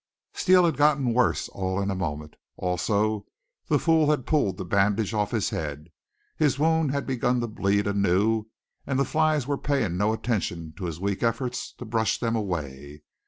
Steele had gotten worse all in a moment. Also, the fool had pulled the bandage off his head; his wound had begun to bleed anew, and the flies were paying no attention to his weak efforts to brush them away.